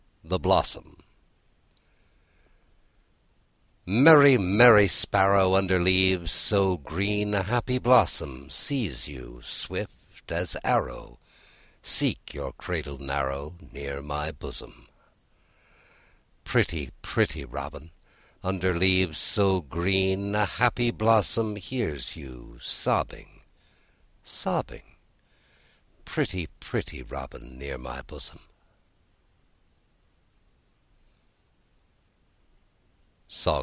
THE BLOSSOM Merry, merry sparrow! Under leaves so green A happy blossom Sees you, swift as arrow, Seek your cradle narrow, Near my bosom. Pretty, pretty robin! Under leaves so green A happy blossom Hears you sobbing, sobbing, Pretty, pretty robin, Near my bosom.